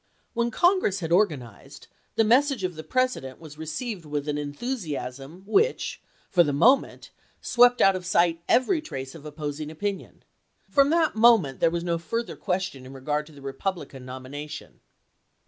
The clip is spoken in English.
When Congress had organized, the message of the President was received with an enthusiasm which, for the moment, swept out of sight every trace of opposing opinion. From that moment there was no further question in regard to the Republican nomination.